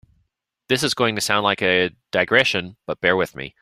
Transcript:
This is going to sound like a digression, but bear with me.